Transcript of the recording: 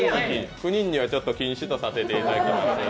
くにんには禁止とさせていただきます。